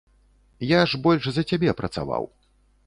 Я ж больш за цябе працаваў.